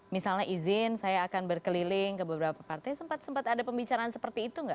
misalnya izin saya akan berkeliling ke beberapa partai sempat sempat ada pembicaraan seperti itu nggak